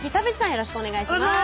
よろしくお願いします